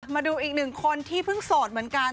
มาดูอีกหนึ่งคนที่เพิ่งโสดเหมือนกัน